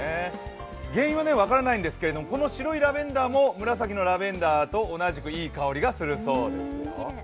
原因は分からないんですけれども、この白いラベンダーも紫のラベンダーと同じくいい香りがするそうですよ。